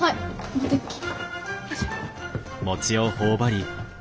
持ってくき。